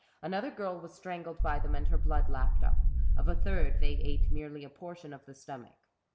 Another girl was strangled by them, and her blood lapped up. Of a third they ate merely a portion of the stomach.